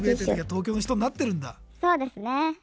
そうですね。